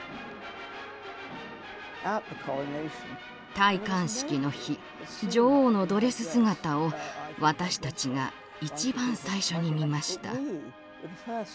戴冠式の日女王のドレス姿を私たちが一番最初に見ました。